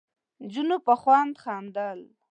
نجونو په خوند خندل.